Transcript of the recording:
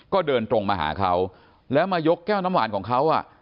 ก็เดินตรงมาหาเขาแล้วมายกแก้วน้ำหวานของเขาอ่ะ